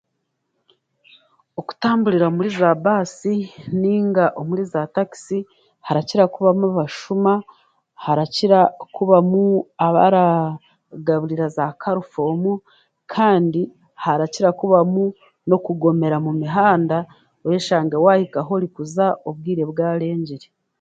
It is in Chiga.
Okutamburira omuri zaabaasi nainga omuri zaatakisi harakira kubamu abashuma, harakira kubamu abaragaburira za karifoomu kandi harakira kubamu n'okugomera mumihanda oyeshange orikuhika ahu orikuza obwire bwarengire